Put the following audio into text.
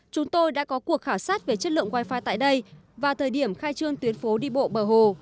chúng tôi đã có cuộc khảo sát về chất lượng wifi tại đây và thời điểm khai trương tuyến phố đi bộ bờ hồ